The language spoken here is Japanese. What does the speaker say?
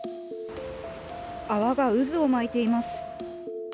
泡が渦を巻いています。